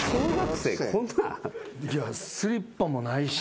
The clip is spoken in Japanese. スリッパもないし。